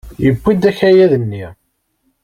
Yewwi-d akayad-nni.